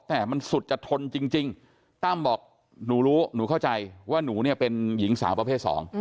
แต่มันสุดจะทนจริงตั้มบอกหนูรู้หนูเข้าใจว่าหนูเนี่ยเป็นหญิงสาวประเภท๒